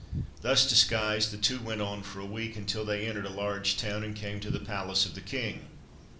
Thus disguised, the two went on for a week, until they entered a large town and came to the palace of the king.